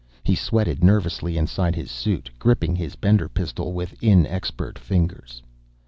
He sweated nervously inside his suit, gripping his Bender pistol with inexpert fingers.